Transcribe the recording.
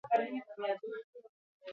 Olagarroa oso gozoa da.